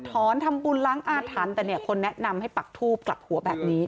ทำบุญล้างอาถรรพ์แต่เนี่ยคนแนะนำให้ปักทูบกลับหัวแบบนี้